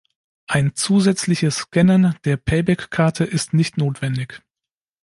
Ein zusätzliches Scannen der Payback-Karte ist nicht notwendig.